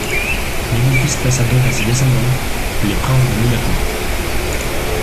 L'édifice passa donc à ses descendants, les princes de Monaco.